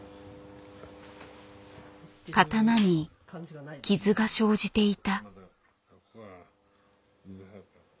刀に傷が生じていた。